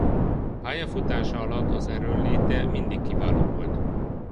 Pályafutása alatt az erőnléte mindig kiváló volt.